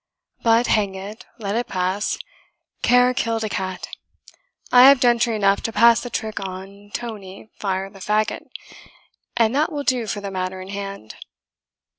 But, hang it, let it pass; care killed a cat. I have gentry enough to pass the trick on Tony Fire the Faggot, and that will do for the matter in hand."